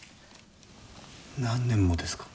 何年もですか？